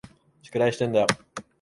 宿題してんだよ。